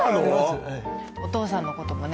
はいお父さんのこともね